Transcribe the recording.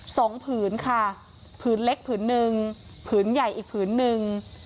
ผืนค่ะผืนเล็กผืนหนึ่งผืนใหญ่อีกผืนหนึ่ง